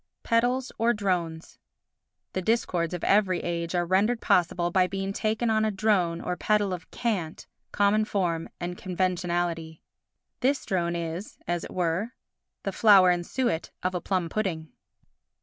Pedals or Drones The discords of every age are rendered possible by being taken on a drone or pedal of cant, common form and conventionality. This drone is, as it were, the flour and suet of a plum pudding.